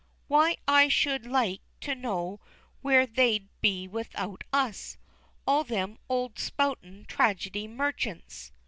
Why I should like to know where they'd be without us all them old spoutin' tragedy merchants!